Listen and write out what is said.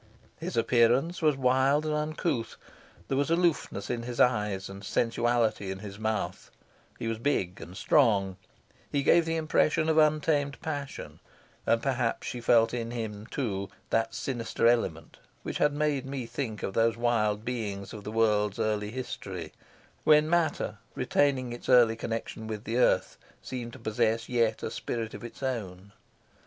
His appearance was wild and uncouth; there was aloofness in his eyes and sensuality in his mouth; he was big and strong; he gave the impression of untamed passion; and perhaps she felt in him, too, that sinister element which had made me think of those wild beings of the world's early history when matter, retaining its early connection with the earth, seemed to possess yet a spirit of its own.